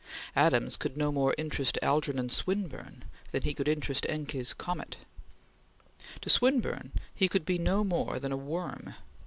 Adams could no more interest Algernon Swinburne than he could interest Encke's comet. To Swinburne he could be no more than a worm.